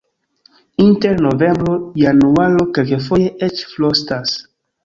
Inter novembro-januaro kelkfoje eĉ frostas.